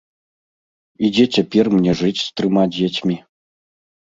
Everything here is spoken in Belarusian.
І дзе цяпер мне жыць з трыма дзецьмі?